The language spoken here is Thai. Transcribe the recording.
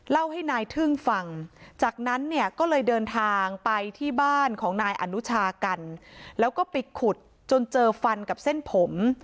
เล่าให้นายทึ่งฟังจากนั้นเนี่ยก็เลยเดินทางไปที่บ้านของนายอนุชากันแล้วก็ไปขุดจนเจอฟันกับเส้นผม